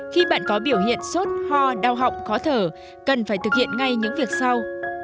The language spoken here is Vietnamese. khi bạn có biểu hiện sốt ho đau họng khó thở cần phải thực hiện ngay những việc sau